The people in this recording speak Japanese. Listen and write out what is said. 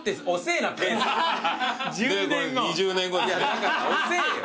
だから遅えよ。